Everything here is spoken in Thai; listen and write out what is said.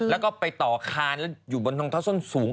แล้วก็ไปต่อคานแล้วอยู่บนรองเท้าส้นสูง